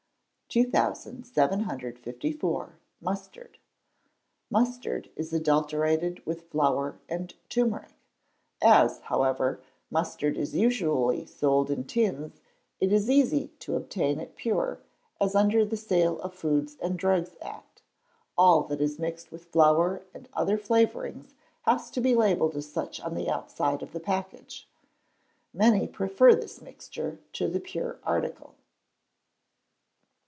2754. Mustard. Mustard is adulterated with flour and turmeric; as, however, mustard is usually sold in tins it is easy to obtain it pure, as under the Sale of Foods and Drugs Act, all that is mixed with flour and other flavourings has to be labelled as such on the outside of the package. Many prefer this mixture to the pure article.